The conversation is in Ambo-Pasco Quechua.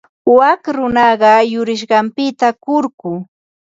Wak runaqa yurisqanpita kurku.